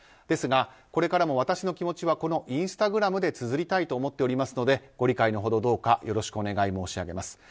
ですが、これからも私の気持ちはこのインスタグラムでつづりたいと思っておりますのでご理解の程、どうかよろしくお願い申し上げます。